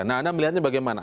nah anda melihatnya bagaimana